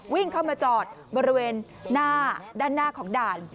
วิ่งเข้ามาจอดบริเวณหน้าด้านหน้าของด่าน